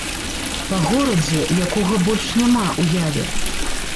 Па горадзе, якога больш няма ў яве.